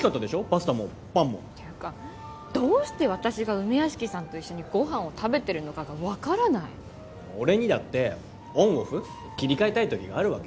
パスタもパンもていうかどうして私が梅屋敷さんと一緒にご飯を食べてるのかが分からない俺にだってオンオフ切り替えたい時があるわけよ